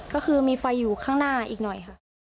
ก็คือมีไฟอยู่ข้างหน้าอีกหน่อยค่ะ